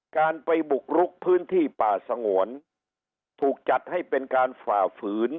การไปบุกรุกพื้นที่ป่าสงวนถูกจัดให้เป็นการฝ่าฝืน